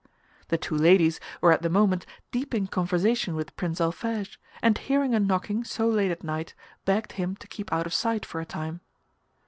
The two ladies were at the moment deep in conversation with Prince Alphege, and hearing a knocking so late at night begged him to keep out of sight for a time.